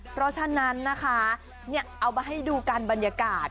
เพราะฉะนั้นนะคะเอามาให้ดูกันบรรยากาศ